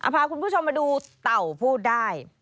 พาคุณผู้ชมมาดูเต่าพูดได้